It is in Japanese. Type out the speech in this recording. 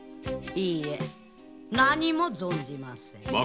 いいえ何も存じません。